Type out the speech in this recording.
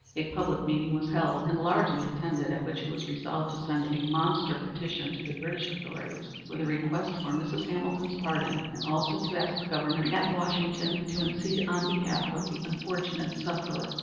A public meeting was held and largely attended, at which it was resolved to send a monster petition to the British authorities with a request for Mrs. Hamilton's pardon, and also to ask the government at Washington to intercede on behalf of the unfortunate sufferer.